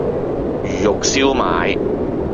魚肉燒賣